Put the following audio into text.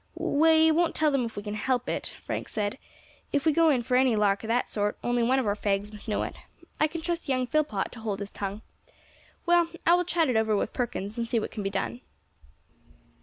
"We won't tell them if we can help it," Frank said; "if we go in for any lark of that sort only one of our fags must know it. I can trust young Phillpot to hold his tongue. Well, I will chat it over with Perkins, and see what can be done."